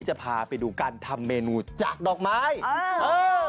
จะพาไปดูการทำเมนูจากดอกไม้อ่าเออ